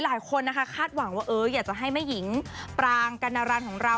หลายคนนะคะคาดหวังว่าเอออยากจะให้แม่หญิงปรางกัณรันของเรา